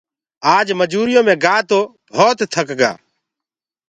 اج مجوُريو مي گآ تو ڀوت ٿڪ گآ۔